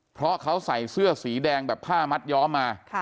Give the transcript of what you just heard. เพราะเขาใส่เสื้อสีแดงแบบผ้ามัดย้อมมา